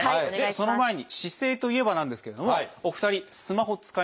その前に姿勢といえばなんですけれどもお二人スマホ使いますよね？